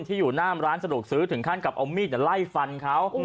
อยู่หน้าร้านสะดวกซื้อถึงขั้นกับเอามีดไล่ฟันเขา